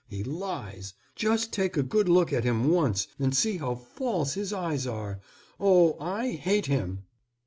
He lies. Just take a good look at him once, and see how false his eyes are. Oh, I hate him!"